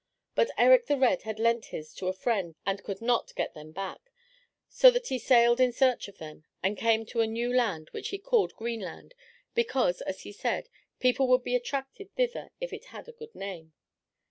But Erik the Red had lent his to a friend and could not get them back, so that he sailed in search of them, and came to a new land which he called Greenland, because, as he said, people would be attracted thither if it had a good name.